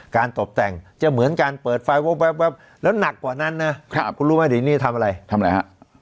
การตบแต่งจะเหมือนการเปิดไฟล์แล้วหนักกว่านั้นนะคุณรู้ไหมนี่ทำอะไรทำอะไรครับ